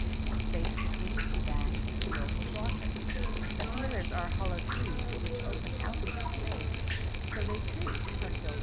The space between the two bags is filled with water. The feelers are hollow tubes which open out of this space; so they, too, are filled with water.